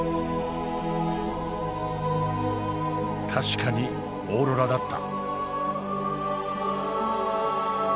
確かにオーロラだった。